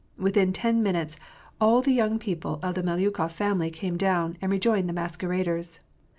Within ten minutes, all the young people of the Melyukof family came down, and rejoined the masqueraders.